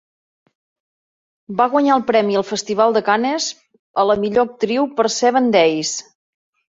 Va guanyar el premi al Festival de Cannes a la millor actriu per Seven Days...